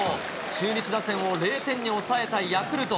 中日打線を０点に抑えたヤクルト。